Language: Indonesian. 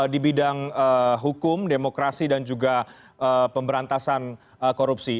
di bidang hukum demokrasi dan juga pemberantasan korupsi